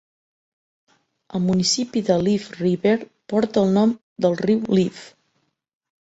El municipi de Leaf River porta el nom del riu Leaf.